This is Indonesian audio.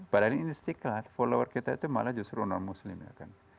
padahal ini istiqlal follower kita itu malah justru non muslim ya kan